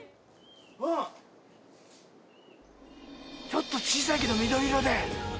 ちょっと小さいけど緑色で。